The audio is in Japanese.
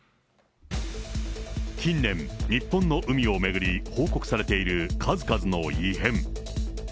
近年、日本の海を巡り報告されている数々の異変。